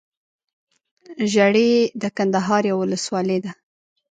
ژړۍ دکندهار يٶه ولسوالې ده